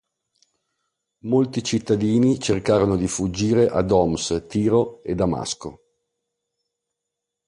Molti cittadini cercarono di fuggire ad Homs, Tiro, e Damasco.